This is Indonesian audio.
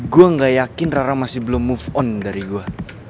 gue gak yakin rara masih belum move on dari gue